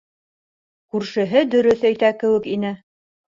Күршеһе дөрөҫ әйтә кеүек ине.